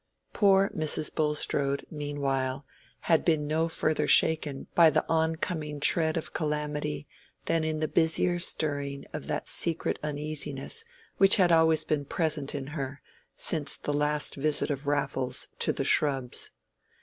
Poor Mrs. Bulstrode, meanwhile, had been no further shaken by the oncoming tread of calamity than in the busier stirring of that secret uneasiness which had always been present in her since the last visit of Raffles to The Shrubs.